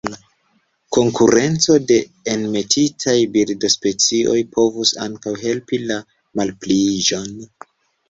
Konkurenco de enmetitaj birdospecioj povus ankaŭ helpi la malpliiĝon.